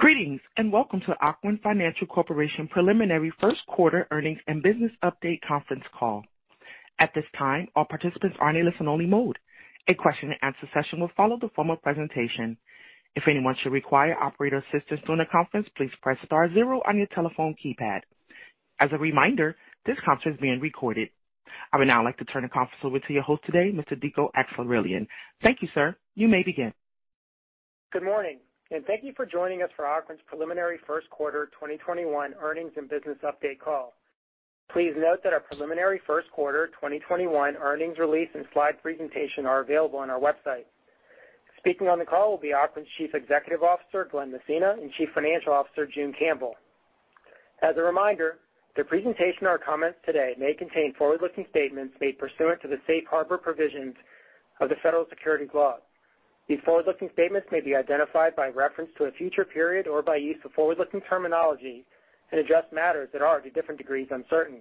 Greetings, welcome to Ocwen Financial Corporation preliminary first quarter earnings and business update conference call. At this time, all participants are in a listen-only mode. A question and answer session will follow the formal presentation. If anyone should require operator assistance during the conference, please press star zero on your telephone keypad. As a reminder, this conference is being recorded. I would now like to turn the conference over to your host today, Mr. Dico Akseraylian. Thank you, sir. You may begin. Good morning, thank you for joining us for Ocwen's preliminary first quarter 2021 earnings and business update call. Please note that our preliminary first quarter 2021 earnings release and slide presentation are available on our website. Speaking on the call will be Ocwen's Chief Executive Officer, Glen Messina, and Chief Financial Officer, June Campbell. As a reminder, the presentation or comments today may contain forward-looking statements made pursuant to the safe harbor provisions of the federal securities laws. These forward-looking statements may be identified by reference to a future period or by use of forward-looking terminology and address matters that are, to different degrees, uncertain.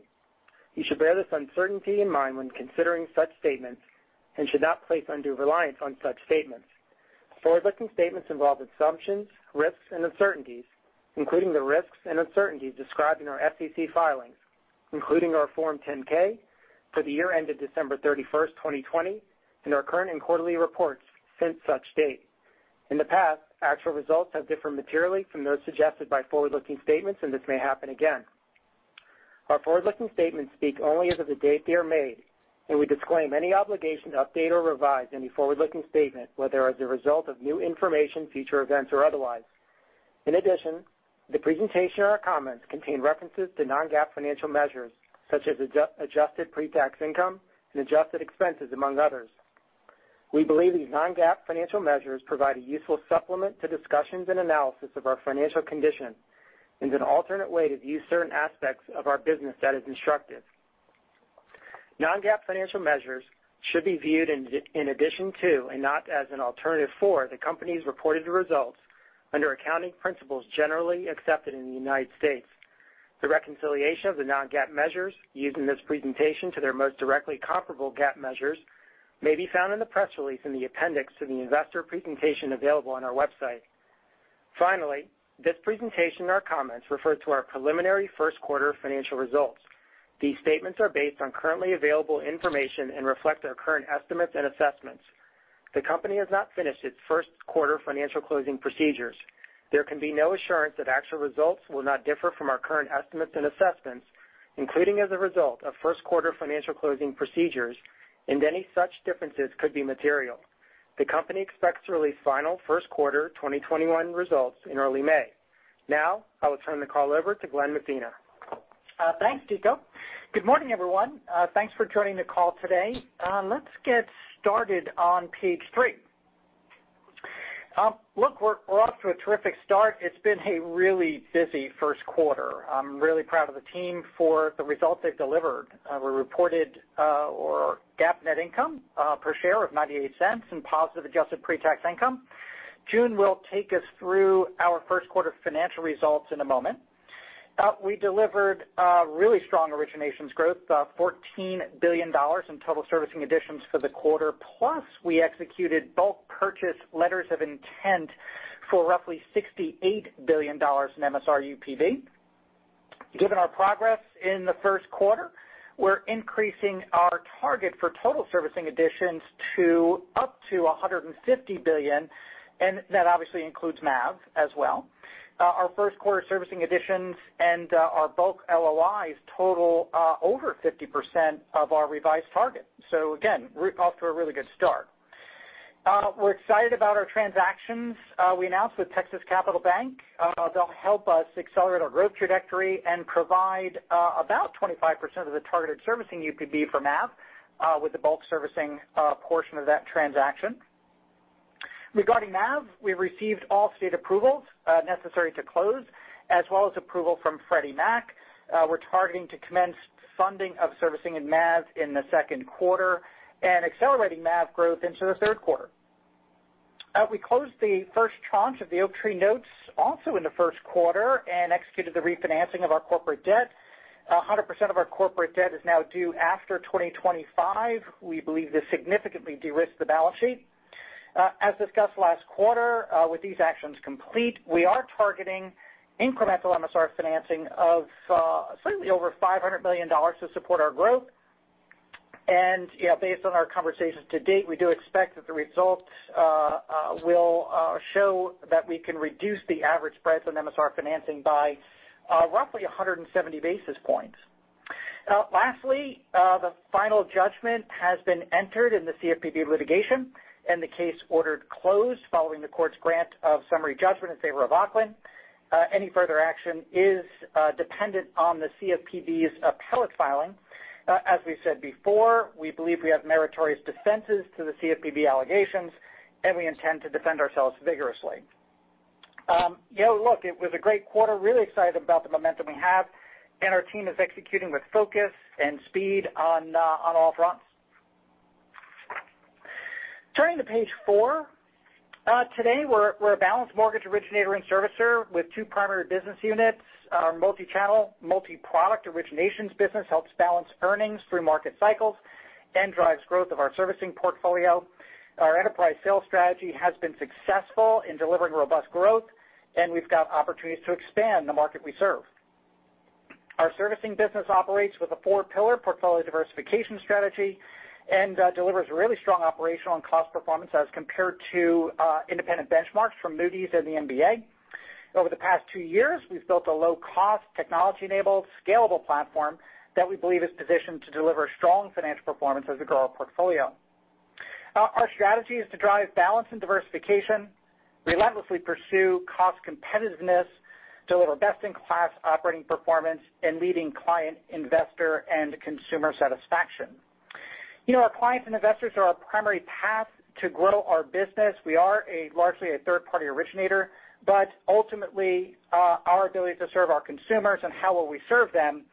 You should bear this uncertainty in mind when considering such statements and should not place undue reliance on such statements. Forward-looking statements involve assumptions, risks, and uncertainties, including the risks and uncertainties described in our SEC filings, including our Form 10-K for the year ended December 31st, 2020, and our current and quarterly reports since such date. In the past, actual results have differed materially from those suggested by forward-looking statements, and this may happen again. Our forward-looking statements speak only as of the date they are made, and we disclaim any obligation to update or revise any forward-looking statement, whether as a result of new information, future events, or otherwise. In addition, the presentation or comments contain references to non-GAAP financial measures such as adjusted pre-tax income and adjusted expenses, among others. We believe these non-GAAP financial measures provide a useful supplement to discussions and analysis of our financial condition and an alternate way to view certain aspects of our business that is instructive. Non-GAAP financial measures should be viewed in addition to, and not as an alternative for, the company's reported results under accounting principles generally accepted in the United States. The reconciliation of the non-GAAP measures used in this presentation to their most directly comparable GAAP measures may be found in the press release in the appendix to the investor presentation available on our website. Finally, this presentation and our comments refer to our preliminary first quarter financial results. These statements are based on currently available information and reflect our current estimates and assessments. The company has not finished its first quarter financial closing procedures. There can be no assurance that actual results will not differ from our current estimates and assessments, including as a result of first-quarter financial closing procedures, and any such differences could be material. The company expects to release final first quarter 2021 results in early May. Now, I will turn the call over to Glen Messina. Thanks, Dico. Good morning, everyone. Thanks for joining the call today. Let's get started on page three. Look, we're off to a terrific start. It's been a really busy first quarter. I'm really proud of the team for the results they've delivered. We reported our GAAP net income per share of $0.98 and positive adjusted pre-tax income. June will take us through our first quarter financial results in a moment. We delivered really strong originations growth, $14 billion in total servicing additions for the quarter, plus we executed bulk purchase letters of intent for roughly $68 billion in MSR UPB. Given our progress in the first quarter, we're increasing our target for total servicing additions to up to $150 billion, that obviously includes MAV as well. Our first quarter servicing additions and our bulk LOIs total over 50% of our revised target. Again, we're off to a really good start. We're excited about our transactions we announced with Texas Capital Bank. They'll help us accelerate our growth trajectory and provide about 25% of the targeted servicing UPB for MAV with the bulk servicing portion of that transaction. Regarding MAV, we've received all state approvals necessary to close as well as approval from Freddie Mac. We're targeting to commence funding of servicing in MAV in the second quarter and accelerating MAV growth into the third quarter. We closed the first tranche of the Oaktree notes also in the first quarter and executed the refinancing of our corporate debt. 100% of our corporate debt is now due after 2025. We believe this significantly de-risks the balance sheet. As discussed last quarter, with these actions complete, we are targeting incremental MSR financing of slightly over $500 million to support our growth. Based on our conversations to date, we do expect that the results will show that we can reduce the average spreads on MSR financing by roughly 170 basis points. Lastly, the final judgment has been entered in the CFPB litigation and the case ordered closed following the court's grant of summary judgment in favor of Ocwen. Any further action is dependent on the CFPB's appellate filing. As we've said before, we believe we have meritorious defenses to the CFPB allegations, and we intend to defend ourselves vigorously. Look, it was a great quarter. Really excited about the momentum we have, and our team is executing with focus and speed on all fronts. Turning to page four. Today, we're a balanced mortgage originator and servicer with two primary business units. Our multi-channel, multi-product originations business helps balance earnings through market cycles and drives growth of our servicing portfolio. Our enterprise sales strategy has been successful in delivering robust growth, and we've got opportunities to expand the market we serve. Our servicing business operates with a four-pillar portfolio diversification strategy and delivers really strong operational and cost performance as compared to independent benchmarks from Moody's and the MBA. Over the past two years, we've built a low-cost, technology-enabled, scalable platform that we believe is positioned to deliver strong financial performance as we grow our portfolio. Our strategy is to drive balance and diversification, relentlessly pursue cost competitiveness, deliver best-in-class operating performance, and leading client, investor, and consumer satisfaction. Our clients and investors are our primary path to grow our business. We are largely a third-party originator, but ultimately, our ability to serve our consumers and how well we serve them,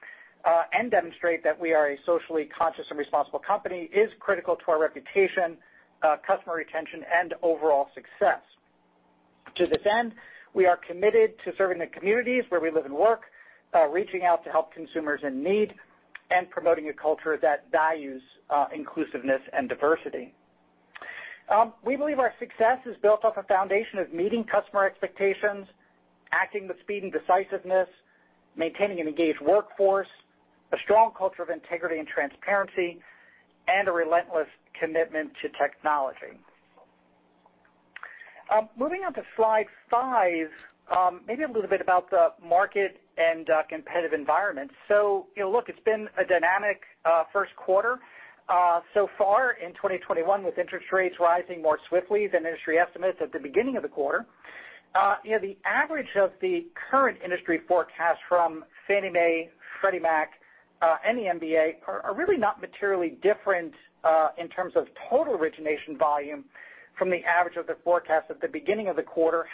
and demonstrate that we are a socially conscious and responsible company, is critical to our reputation, customer retention, and overall success. To this end, we are committed to serving the communities where we live and work, reaching out to help consumers in need, and promoting a culture that values inclusiveness and diversity. We believe our success is built off a foundation of meeting customer expectations, acting with speed and decisiveness, maintaining an engaged workforce, a strong culture of integrity and transparency, and a relentless commitment to technology. Moving on to slide five, maybe a little bit about the market and competitive environment. Look, it's been a dynamic first quarter so far in 2021, with interest rates rising more swiftly than industry estimates at the beginning of the quarter. The average of the current industry forecast from Fannie Mae, Freddie Mac, and the MBA are really not materially different in terms of total origination volume from the average of the forecast at the beginning of the quarter.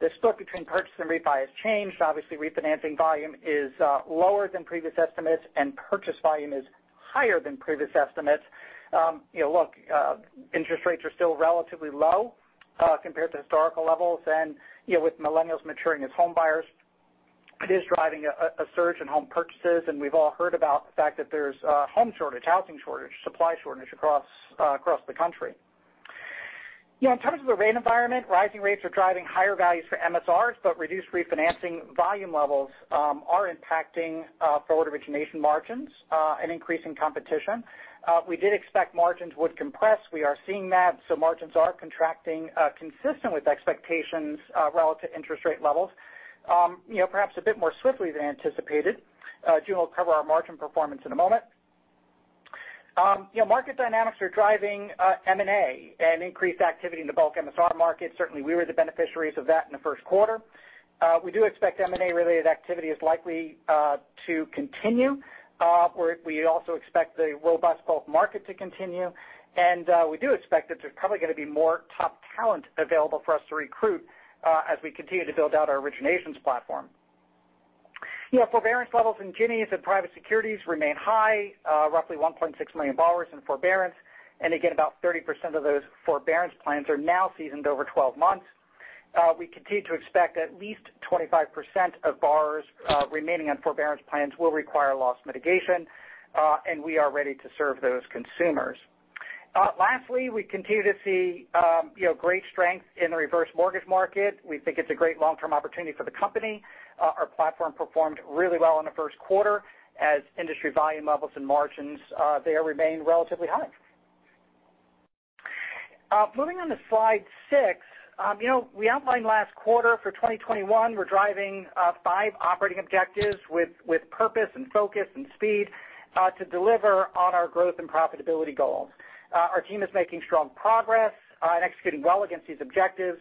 The split between purchase and refi has changed. Obviously, refinancing volume is lower than previous estimates, and purchase volume is higher than previous estimates. Look, interest rates are still relatively low compared to historical levels, and with millennials maturing as home buyers, it is driving a surge in home purchases, and we've all heard about the fact that there's a home shortage, housing shortage, supply shortage across the country. In terms of the rate environment, rising rates are driving higher values for MSRs, reduced refinancing volume levels are impacting forward origination margins and increasing competition. We did expect margins would compress. We are seeing that. Margins are contracting consistent with expectations relative to interest rate levels. Perhaps a bit more swiftly than anticipated. June Campbell will cover our margin performance in a moment. Market dynamics are driving M&A and increased activity in the bulk MSR market. Certainly, we were the beneficiaries of that in the first quarter. We do expect M&A-related activity is likely to continue. We also expect the robust bulk market to continue, and we do expect that there's probably going to be more top talent available for us to recruit as we continue to build out our originations platform. Forbearance levels in GNMA and private securities remain high, roughly 1.6 million borrowers in forbearance. Again, about 30% of those forbearance plans are now seasoned over 12 months. We continue to expect at least 25% of borrowers remaining on forbearance plans will require loss mitigation, we are ready to serve those consumers. Lastly, we continue to see great strength in the reverse mortgage market. We think it's a great long-term opportunity for the company. Our platform performed really well in the first quarter as industry volume levels and margins there remained relatively high. Moving on to slide six. We outlined last quarter for 2021, we're driving five operating objectives with purpose and focus and speed to deliver on our growth and profitability goals. Our team is making strong progress and executing well against these objectives.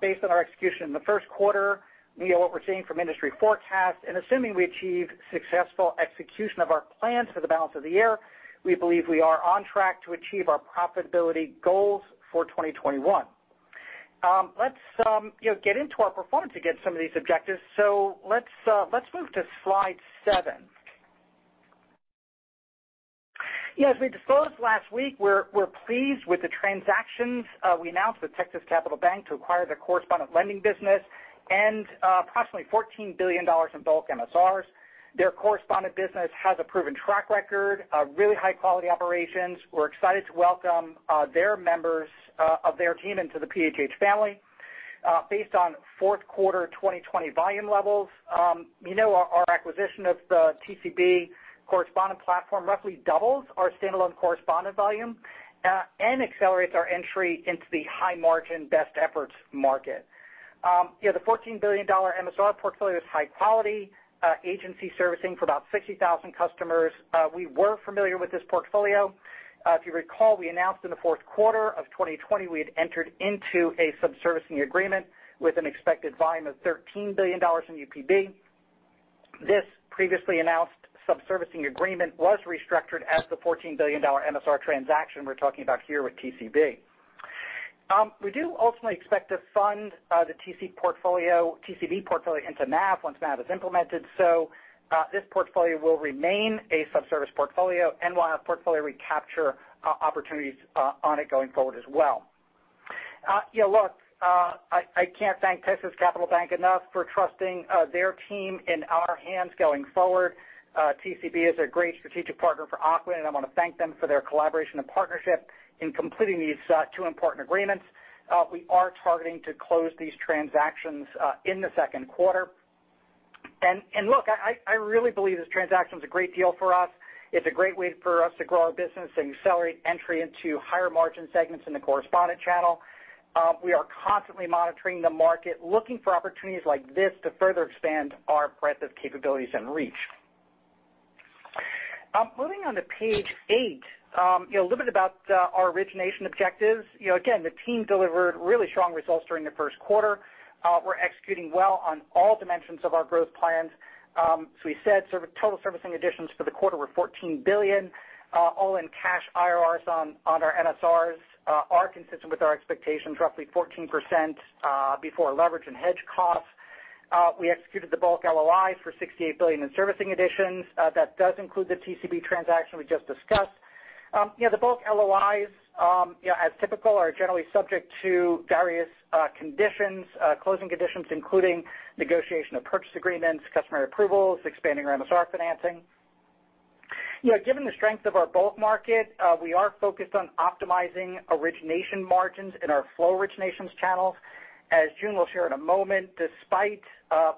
Based on our execution in the first quarter, what we're seeing from industry forecasts, assuming we achieve successful execution of our plans for the balance of the year, we believe we are on track to achieve our profitability goals for 2021. Let's get into our performance against some of these objectives. Let's move to slide seven. As we disclosed last week, we're pleased with the transactions. We announced with Texas Capital Bank to acquire their correspondent lending business and approximately $14 billion in bulk MSRs. Their correspondent business has a proven track record of really high-quality operations. We're excited to welcome their members of their team into the PHH family. Based on fourth quarter 2020 volume levels, our acquisition of the TCB correspondent platform roughly doubles our standalone correspondent volume and accelerates our entry into the high-margin best efforts market. The $14 billion MSR portfolio is high quality, agency servicing for about 60,000 customers. We were familiar with this portfolio. If you recall, we announced in the fourth quarter of 2020 we had entered into a subservicing agreement with an expected volume of $13 billion from UPB. This previously announced subservicing agreement was restructured as the $14 billion MSR transaction we're talking about here with TCB. We do ultimately expect to fund the TCB portfolio into MAV once MAV is implemented. This portfolio will remain a subservice portfolio and we'll have portfolio recapture opportunities on it going forward as well. Look, I can't thank Texas Capital Bank enough for trusting their team in our hands going forward. TCB is a great strategic partner for Ocwen, and I want to thank them for their collaboration and partnership in completing these two important agreements. We are targeting to close these transactions in the second quarter. Look, I really believe this transaction is a great deal for us. It's a great way for us to grow our business and accelerate entry into higher margin segments in the correspondent channel. We are constantly monitoring the market, looking for opportunities like this to further expand our breadth of capabilities and reach. Moving on to page eight. A little bit about our origination objectives. Again, the team delivered really strong results during the first quarter. We're executing well on all dimensions of our growth plans. Total servicing additions for the quarter were $14 billion, all in cash IRRs on our MSRs are consistent with our expectations, roughly 14% before leverage and hedge costs. We executed the bulk LOIs for $68 billion in servicing additions. That does include the TCB transaction we just discussed. The bulk LOIs, as typical, are generally subject to various conditions, closing conditions including negotiation of purchase agreements, customer approvals, expanding our MSR financing. Given the strength of our bulk market, we are focused on optimizing origination margins in our flow originations channels. As June will share in a moment, despite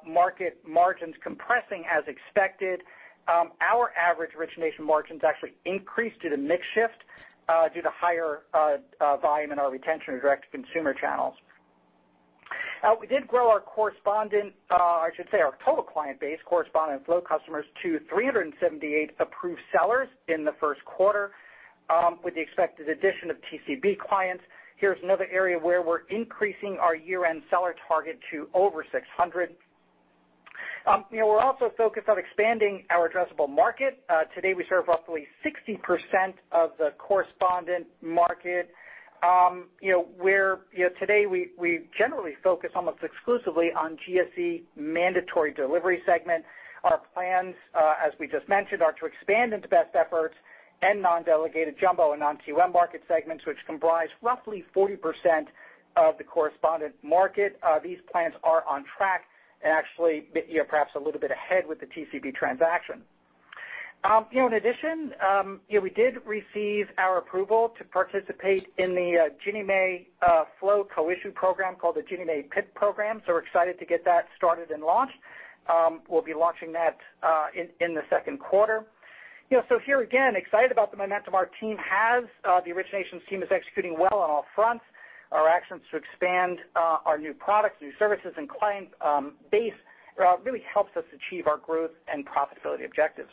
market margins compressing as expected, our average origination margins actually increased due to mix shift due to higher volume in our retention and direct-to-consumer channels. We did grow our correspondent, I should say, our total client base, correspondent flow customers to 378 approved sellers in the first quarter with the expected addition of TCB clients. Here's another area where we're increasing our year-end seller target to over 600. We're also focused on expanding our addressable market. Today, we serve roughly 60% of the correspondent market. Today, we generally focus almost exclusively on GSE mandatory delivery segment. Our plans, as we just mentioned, are to expand into best efforts and non-delegated jumbo and non-QM market segments, which comprise roughly 40% of the correspondent market. These plans are on track and actually perhaps a little bit ahead with the TCB transaction. In addition, we did receive our approval to participate in the Ginnie Mae flow co-issue program called the Ginnie Mae PIIT program. We're excited to get that started and launched. We'll be launching that in the second quarter. Here again, excited about the momentum our team has. The originations team is executing well on all fronts. Our actions to expand our new products, new services, and client base really helps us achieve our growth and profitability objectives.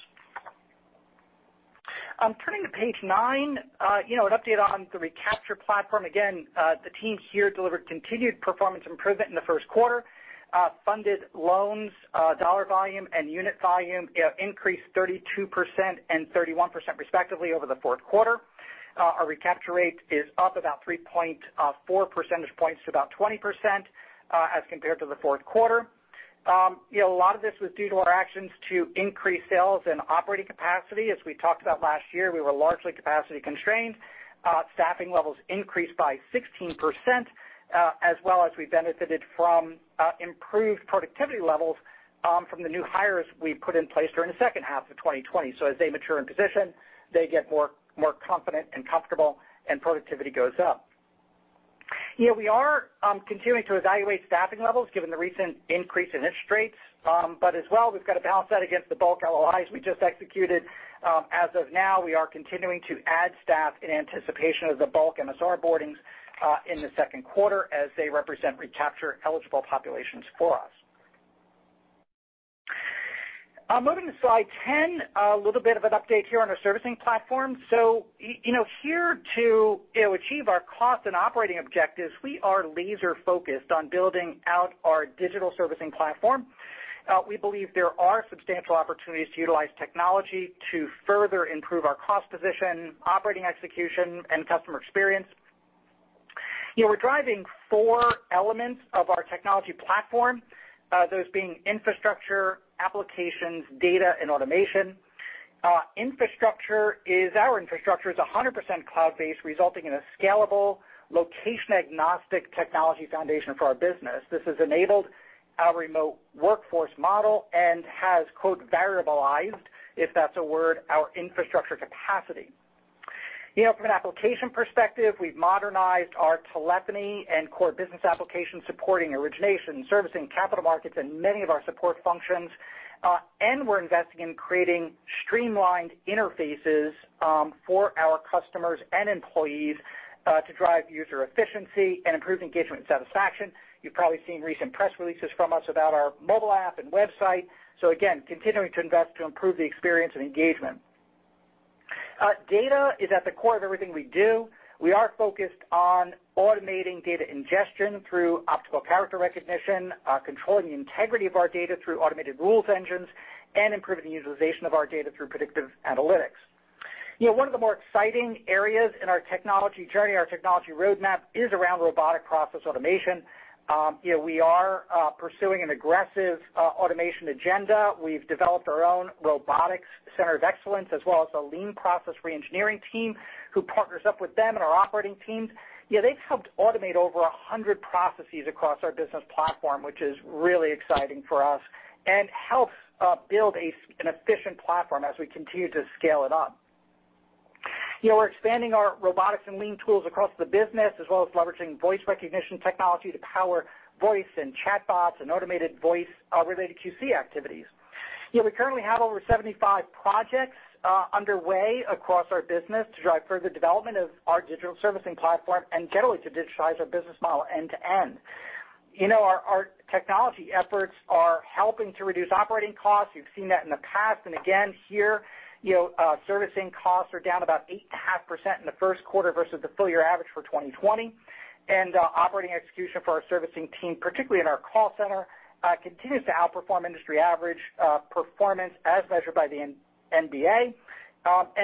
Turning to page nine. An update on the recapture platform. Again, the team here delivered continued performance improvement in the first quarter. Funded loans, dollar volume and unit volume increased 32% and 31% respectively over the fourth quarter. Our recapture rate is up about 3.4 percentage points to about 20% as compared to the fourth quarter. A lot of this was due to our actions to increase sales and operating capacity. As we talked about last year, we were largely capacity constrained. Staffing levels increased by 16%, as well as we benefited from improved productivity levels from the new hires we put in place during the second half of 2020. As they mature in position, they get more confident and comfortable, and productivity goes up. We are continuing to evaluate staffing levels given the recent increase in attrition rates. As well, we've got to balance that against the bulk LOIs we just executed. As of now, we are continuing to add staff in anticipation of the bulk MSR boardings in the second quarter as they represent recapture eligible populations for us. Moving to slide 10, a little bit of an update here on our servicing platform. Here to achieve our cost and operating objectives, we are laser focused on building out our digital servicing platform. We believe there are substantial opportunities to utilize technology to further improve our cost position, operating execution, and customer experience. We're driving four elements of our technology platform, those being infrastructure, applications, data, and automation. Our infrastructure is 100% cloud-based, resulting in a scalable, location-agnostic technology foundation for our business. This has enabled our remote workforce model and has, quote, "variableized," if that's a word, our infrastructure capacity. From an application perspective, we've modernized our telephony and core business applications supporting origination, servicing, capital markets, and many of our support functions. We're investing in creating streamlined interfaces for our customers and employees to drive user efficiency and improve engagement and satisfaction. You've probably seen recent press releases from us about our mobile app and website. Again, continuing to invest to improve the experience and engagement. Data is at the core of everything we do. We are focused on automating data ingestion through optical character recognition, controlling the integrity of our data through automated rules engines, and improving the utilization of our data through predictive analytics. One of the more exciting areas in our technology journey, our technology roadmap is around robotic process automation. We are pursuing an aggressive automation agenda. We've developed our own robotics center of excellence as well as a lean process re-engineering team who partners up with them and our operating teams. They've helped automate over 100 processes across our business platform, which is really exciting for us and helps build an efficient platform as we continue to scale it up. We're expanding our robotics and lean tools across the business, as well as leveraging voice recognition technology to power voice and chatbots and automated voice-related QC activities. We currently have over 75 projects underway across our business to drive further development of our digital servicing platform and generally to digitize our business model end to end. Our technology efforts are helping to reduce operating costs. You've seen that in the past, and again here. Servicing costs are down about 8.5% in the first quarter versus the full year average for 2020. Operating execution for our servicing team, particularly in our call center, continues to outperform industry average performance as measured by the MBA.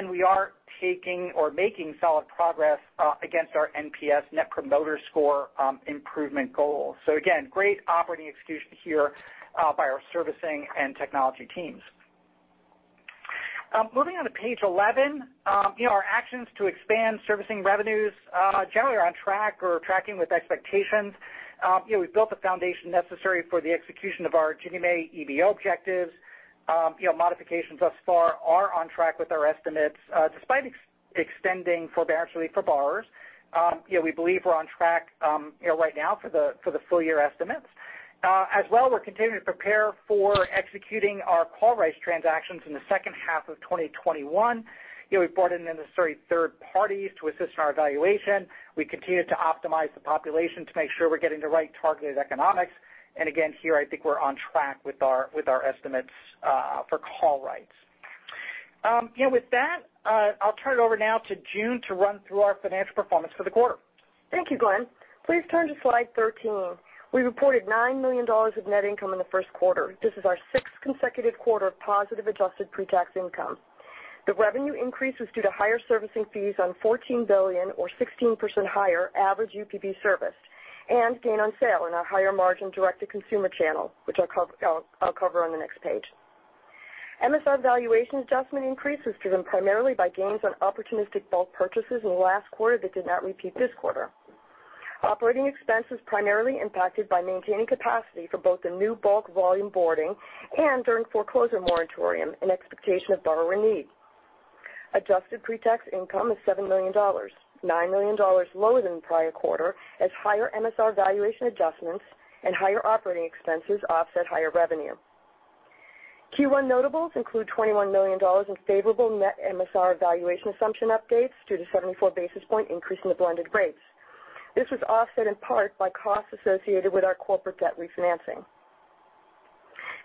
We are taking or making solid progress against our NPS, net promoter score, improvement goals. Again, great operating execution here by our servicing and technology teams. Moving on to page 11. Our actions to expand servicing revenues generally are on track or tracking with expectations. We've built the foundation necessary for the execution of our Ginnie Mae EBO objectives. Modifications thus far are on track with our estimates, despite extending forbearance relief for borrowers. We believe we're on track right now for the full year estimates. As well, we're continuing to prepare for executing our call rights transactions in the second half of 2021. We've brought in the necessary third parties to assist in our evaluation. We continue to optimize the population to make sure we're getting the right targeted economics. Again, here, I think we're on track with our estimates for call rights. With that, I'll turn it over now to June to run through our financial performance for the quarter. Thank you, Glen. Please turn to slide 13. We reported $9 million of net income in the first quarter. This is our sixth consecutive quarter of positive adjusted pre-tax income. The revenue increase was due to higher servicing fees on $14 billion or 16% higher average UPB serviced and gain on sale in our higher margin direct-to-consumer channel, which I'll cover on the next page. MSR valuation adjustment increase was driven primarily by gains on opportunistic bulk purchases in the last quarter that did not repeat this quarter. Operating expense was primarily impacted by maintaining capacity for both the new bulk volume boarding and during foreclosure moratorium in expectation of borrower need. Adjusted pre-tax income is $7 million-$9 million lower than the prior quarter as higher MSR valuation adjustments and higher operating expenses offset higher revenue. Q1 notables include $21 million in favorable net MSR valuation assumption updates due to 74 basis point increase in the blended rates. This was offset in part by costs associated with our corporate debt refinancing.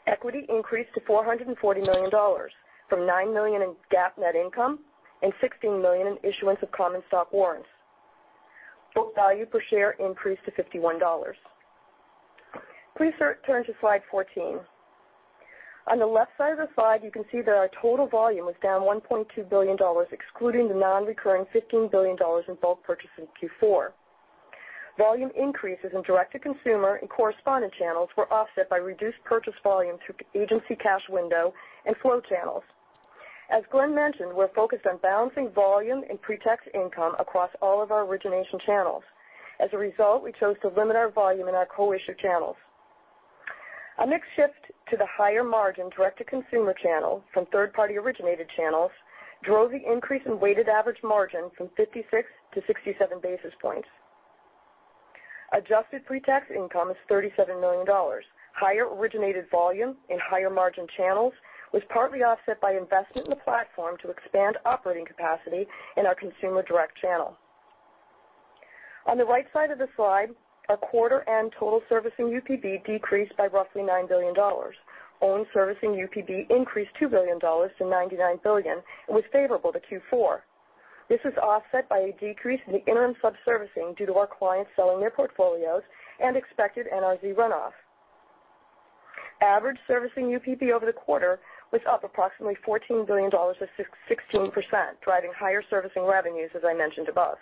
Equity increased to $440 million from $9 million in GAAP net income and $16 million in issuance of common stock warrants. Book value per share increased to $51. Please turn to slide 14. On the left side of the slide, you can see that our total volume was down $1.2 billion, excluding the non-recurring $15 billion in bulk purchases in Q4. Volume increases in direct-to-consumer and correspondent channels were offset by reduced purchase volume through agency cash window and flow channels. As Glen mentioned, we're focused on balancing volume and pre-tax income across all of our origination channels. As a result, we chose to limit our volume in our co-issue channels. A mix shift to the higher margin direct-to-consumer channel from third-party originated channels drove the increase in weighted average margin from 56-67 basis points. Adjusted pre-tax income is $37 million. Higher originated volume in higher margin channels was partly offset by investment in the platform to expand operating capacity in our consumer direct channel. On the right side of the slide, our quarter end total servicing UPB decreased by roughly $9 billion. Owned servicing UPB increased $2 billion-$99 billion and was favorable to Q4. This was offset by a decrease in the interim subservicing due to our clients selling their portfolios and expected NRZ runoff. Average servicing UPB over the quarter was up approximately $14 billion or 16%, driving higher servicing revenues, as I mentioned above.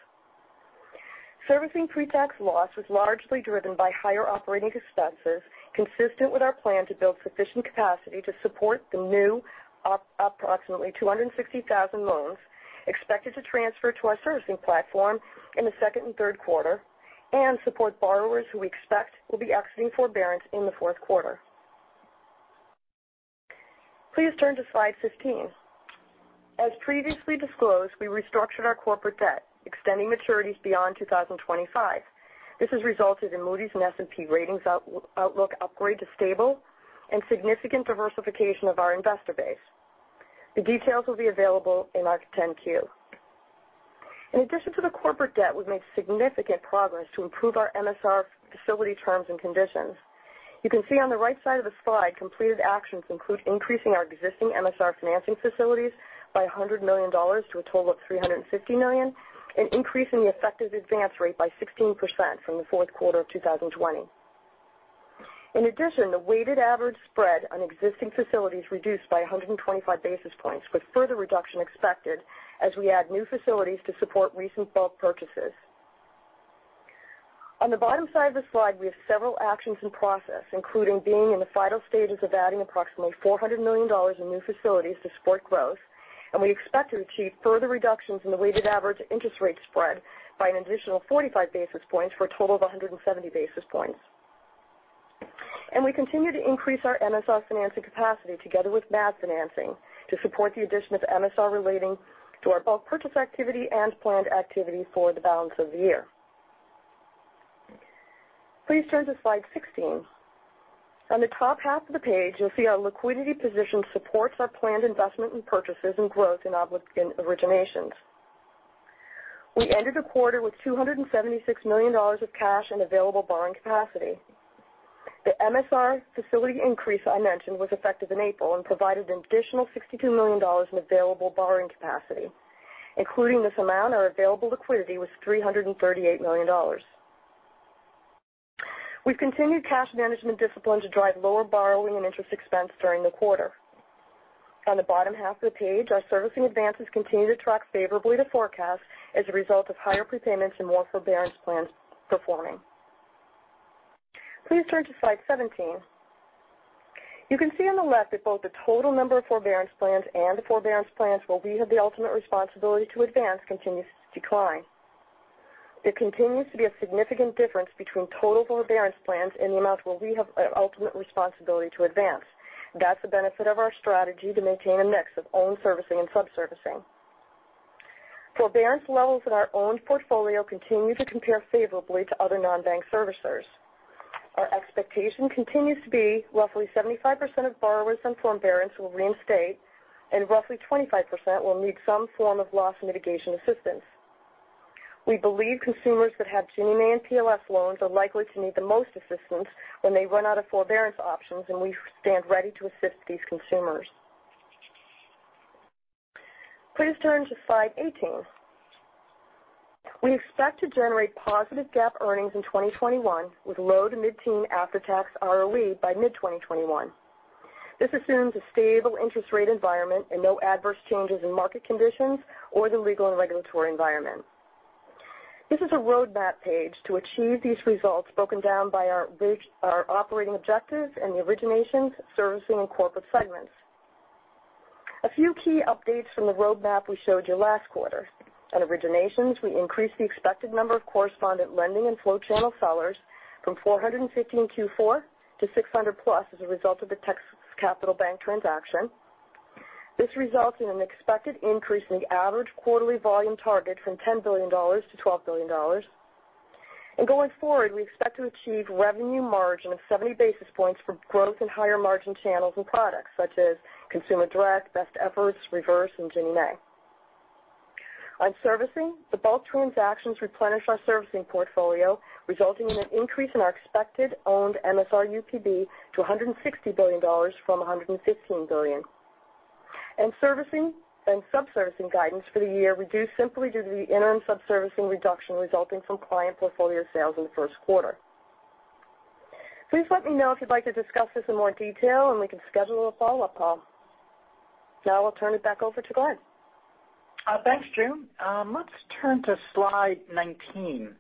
Servicing pre-tax loss was largely driven by higher operating expenses consistent with our plan to build sufficient capacity to support the new approximately 260,000 loans expected to transfer to our servicing platform in the second and third quarter and support borrowers who we expect will be exiting forbearance in the fourth quarter. Please turn to slide 15. As previously disclosed, we restructured our corporate debt, extending maturities beyond 2025. This has resulted in Moody's and S&P ratings outlook upgrade to stable and significant diversification of our investor base. The details will be available in our 10-Q. In addition to the corporate debt, we've made significant progress to improve our MSR facility terms and conditions. You can see on the right side of the slide, completed actions include increasing our existing MSR financing facilities by $100 million to a total of $350 million and increasing the effective advance rate by 16% from the fourth quarter of 2020. The weighted average spread on existing facilities reduced by 125 basis points with further reduction expected as we add new facilities to support recent bulk purchases. On the bottom side of the slide, we have several actions in process, including being in the final stages of adding approximately $400 million in new facilities to support growth. We expect to achieve further reductions in the weighted average interest rate spread by an additional 45 basis points for a total of 170 basis points. We continue to increase our MSR financing capacity together with MAV financing to support the addition of MSR relating to our bulk purchase activity and planned activity for the balance of the year. Please turn to slide 16. On the top half of the page, you'll see our liquidity position supports our planned investment in purchases and growth in origination. We ended the quarter with $276 million of cash and available borrowing capacity. The MSR facility increase I mentioned was effective in April and provided an additional $62 million in available borrowing capacity. Including this amount, our available liquidity was $338 million. We've continued cash management discipline to drive lower borrowing and interest expense during the quarter. On the bottom half of the page, our servicing advances continue to track favorably to forecast as a result of higher prepayments and more forbearance plans performing. Please turn to slide 17. You can see on the left that both the total number of forbearance plans and the forbearance plans where we have the ultimate responsibility to advance continues to decline. There continues to be a significant difference between total forbearance plans and the amount where we have ultimate responsibility to advance. That's the benefit of our strategy to maintain a mix of own servicing and subservicing. Forbearance levels in our own portfolio continue to compare favorably to other non-bank servicers. Our expectation continues to be roughly 75% of borrowers on forbearance will reinstate, and roughly 25% will need some form of loss mitigation assistance. We believe consumers that have Ginnie Mae and PLS loans are likely to need the most assistance when they run out of forbearance options, and we stand ready to assist these consumers. Please turn to slide 18. We expect to generate positive GAAP earnings in 2021 with low to mid-teen after-tax ROE by mid-2021. This assumes a stable interest rate environment and no adverse changes in market conditions or the legal and regulatory environment. This is a roadmap page to achieve these results broken down by our operating objectives in the originations, servicing, and corporate segments. A few key updates from the roadmap we showed you last quarter. At originations, we increased the expected number of correspondent lending and flow channel sellers from 450 in Q4 to 600+ as a result of the Texas Capital Bank transaction. This results in an expected increase in the average quarterly volume target from $10 billion-$12 billion. Going forward, we expect to achieve revenue margin of 70 basis points from growth in higher margin channels and products such as consumer direct, best efforts, reverse, and Ginnie Mae. On servicing, the bulk transactions replenish our servicing portfolio, resulting in an increase in our expected owned MSR UPB to $160 billion from $115 billion. Servicing and subservicing guidance for the year reduced simply due to the interim subservicing reduction resulting from client portfolio sales in the first quarter. Please let me know if you'd like to discuss this in more detail, and we can schedule a follow-up call. Now I'll turn it back over to Glen. Thanks, June. Let's turn to slide 19.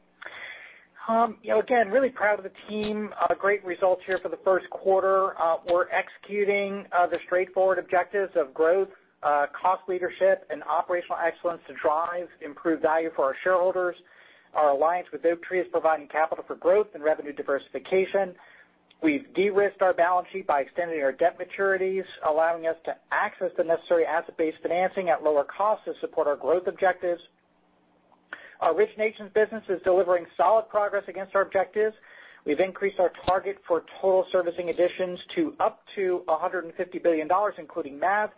Again, really proud of the team. Great results here for the first quarter. We're executing the straightforward objectives of growth, cost leadership, and operational excellence to drive improved value for our shareholders. Our alliance with Oaktree is providing capital for growth and revenue diversification. We've de-risked our balance sheet by extending our debt maturities, allowing us to access the necessary asset-based financing at lower costs to support our growth objectives. Our originations business is delivering solid progress against our objectives. We've increased our target for total servicing additions to up to $150 billion, including MAV,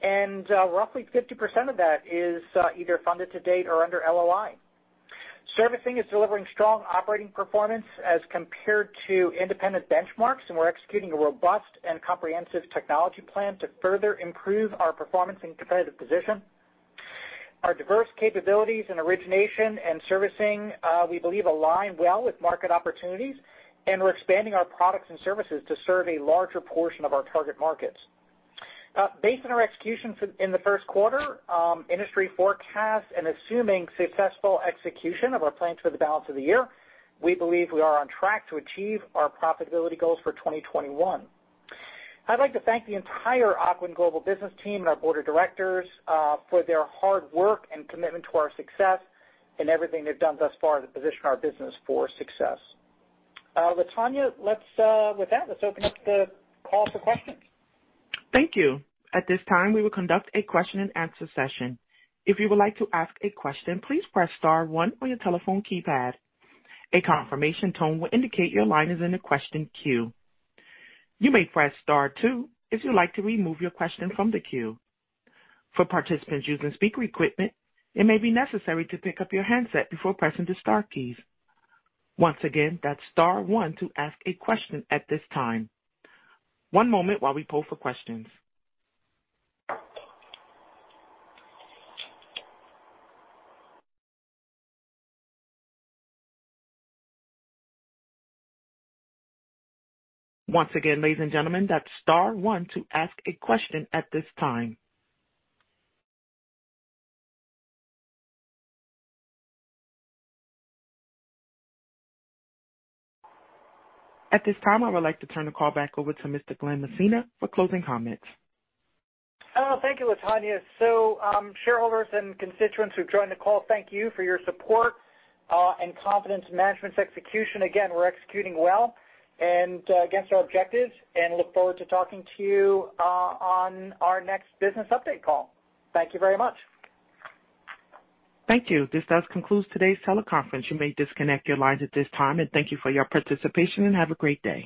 and roughly 50% of that is either funded to date or under LOI. Servicing is delivering strong operating performance as compared to independent benchmarks, and we're executing a robust and comprehensive technology plan to further improve our performance and competitive position. Our diverse capabilities in origination and servicing, we believe align well with market opportunities, and we're expanding our products and services to serve a larger portion of our target markets. Based on our execution in the first quarter, industry forecasts, and assuming successful execution of our plans for the balance of the year, we believe we are on track to achieve our profitability goals for 2021. I'd like to thank the entire Ocwen global business team and our board of directors for their hard work and commitment to our success and everything they've done thus far to position our business for success. Latonya, with that, let's open up the call for questions. Thank you. At this time, we will conduct a question and answer session. If you would like to ask a question, please press star one on your telephone keypad. A confirmation tone will indicate your line is in the question queue. You may press star two if you'd like to remove your question from the queue. For participants using speaker equipment, it may be necessary to pick up your handset before pressing the star keys. Once again, that's star one to ask a question at this time. One moment while we poll for questions. Once again, ladies and gentlemen, that's star one to ask a question at this time. At this time, I would like to turn the call back over to Mr. Glen Messina for closing comments. Thank you, Latonya. Shareholders and constituents who've joined the call, thank you for your support and confidence in management's execution. Again, we're executing well and against our objectives and look forward to talking to you on our next business update call. Thank you very much. Thank you. This does conclude today's teleconference. You may disconnect your lines at this time, and thank you for your participation, and have a great day.